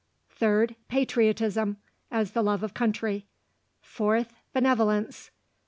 Third: Patriotism, as the love of country. Fourth: Benevolence.